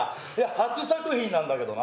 初作品なんだけどな。